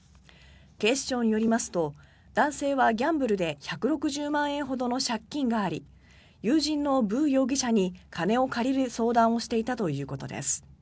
警視庁によりますと男性はギャンブルで１６０万円ほどの借金があり友人のブ容疑者に金を借りる相談をしていたということです。